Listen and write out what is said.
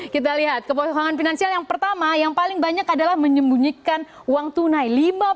kita lihat kebohongan finansial yang pertama yang paling banyak adalah menyembunyikan uang tunai